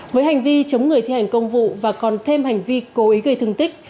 với hành vi chống người thi hành công vụ và còn thêm hành vi cố ý gây thương tích